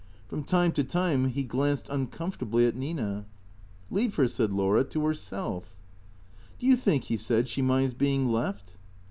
From time to time he glanced uncomfortably at Nina. " Leave her," said Laura, " to herself." " Do you think," he said, " she minds being left?